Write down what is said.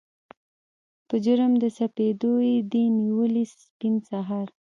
په جرم د سپېدو یې دي نیولي سپین سهار